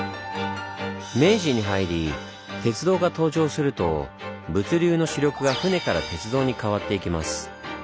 明治に入り鉄道が登場すると物流の主力が舟から鉄道にかわっていきます。